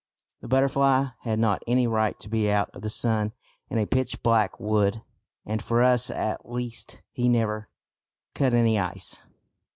The butterfly had not any right to be out of the sun in a pitch black wood; and for us at least he never "cut any ice."